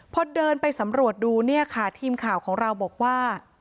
พอเดินไปสำรวจดูเนี่ยค่ะทีมข่าวของเราบอกว่า